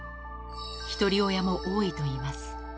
ひとり親も多いといいます。